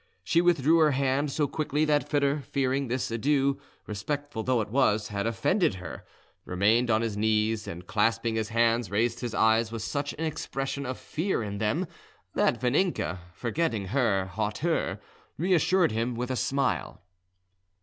She withdrew her hand so quickly, that Foedor, fearing this adieu, respectful though it was, had offended her, remained on his knees, and clasping his hands, raised his eyes with such an expression of fear in them, that Vaninka, forgetting her hauteur, reassured him with a smile.